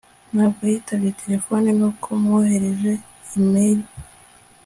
ntabwo yitabye terefone, nuko mwoherereza imeri